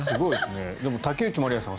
でも竹内まりやさん